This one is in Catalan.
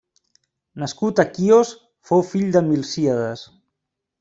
Nascut a Quios, fou fill de Milcíades.